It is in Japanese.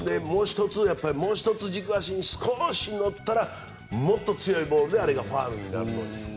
もう１つ、軸足に少し乗ったらもっと強いボールであれがファウルになるという。